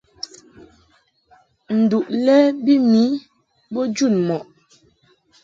Nduʼ lɛ bi mi bo jun mɔʼ.